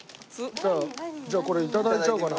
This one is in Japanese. じゃあじゃあこれいただいちゃおうかな。